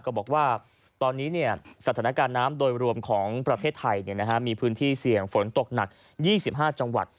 บอกว่าตอนนี้สถานการณ์น้ำโดยรวมของประเทศไทยมีพื้นที่เสี่ยงฝนตกหนัก๒๕จังหวัด